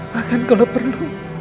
maka kalau perlu